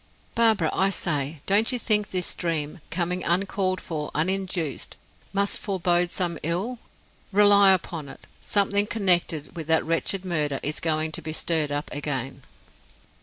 "Barbara, I say, don't you think this dream, coming uncalled for uninduced, must forebode some ill? Rely upon it, something connected with that wretched murder is going to be stirred up again."